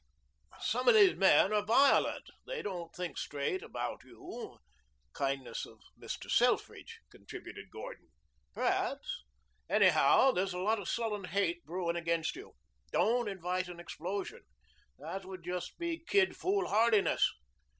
"Some of these men are violent. They don't think straight about you " "Kindness of Mr. Selfridge," contributed Gordon. "Perhaps. Anyhow, there's a lot of sullen hate brewing against you. Don't invite an explosion. That would be just kid foolhardiness."